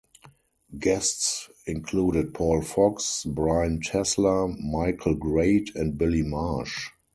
Guests included Paul Fox, Brian Tesler, Michael Grade and Billy Marsh.